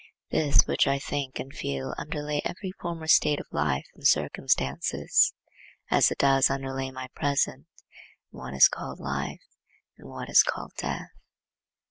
This which I think and feel underlay every former state of life and circumstances, as it does underlie my present, and what is called life, and what is called death.